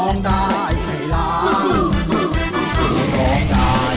ร้องได้ให้ร้าง